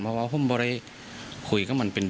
พุ่งเข้ามาแล้วกับแม่แค่สองคน